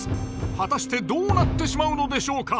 果たしてどうなってしまうのでしょうか？